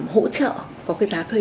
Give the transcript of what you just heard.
hỗ trợ có cái giá thuê